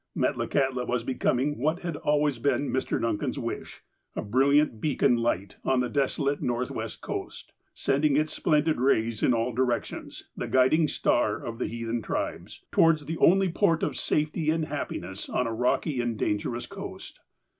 Metlakahtla was becoming what had always been Mr. Duncan's wish, a brilliant beacon light on the desolate K'orthwest coast, sending its splendid rays in all direc tions, the guiding star of the heathen tribes, towards the only port of safety and hai)j)iness, on a rocky and danger ous coast.